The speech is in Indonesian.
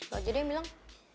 gak aja deh yang bilang